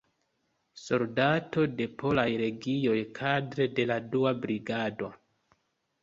Soldato de Polaj Legioj kadre de la Dua Brigado.